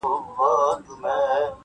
زموږ د پلار او دنیکه په مقبره کي,